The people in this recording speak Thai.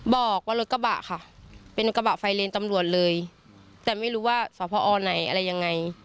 บอกว่ารถกระบะค่ะเป็นกระบะไฟเลนตำรวจเลยแต่ไม่รู้ว่าสอบพอไหนอะไรยังไง